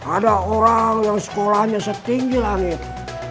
ada orang yang sekolahnya setinggi langit